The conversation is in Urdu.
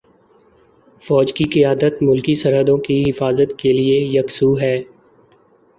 فوج کی قیادت ملکی سرحدوں کی حفاظت کے لیے یکسو ہے۔